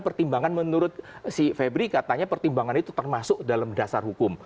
pertimbangan menurut si febri katanya pertimbangan itu termasuk dalam dasar hukum